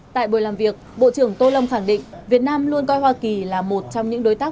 tại buổi làm việc bộ trưởng tô lâm khẳng định việt nam luôn coi hoa kỳ là một trong những đối tác